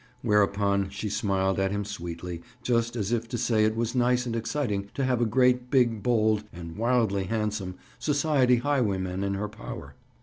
Whereupon she smiled at him sweetly, just as if to say it was nice and exciting to have a great, big, bold (and wildly handsome) society highwayman in her power.